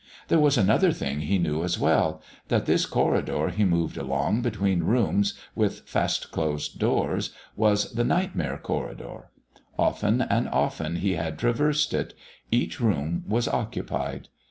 There was another thing he knew as well that this corridor he moved along between rooms with fast closed doors, was the Nightmare Corridor; often and often he had traversed it; each room was occupied.